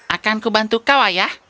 akanku bantu kau ayah